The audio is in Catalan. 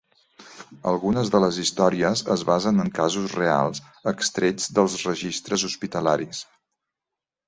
Algunes de les històries es basen en casos reals extrets dels registres hospitalaris.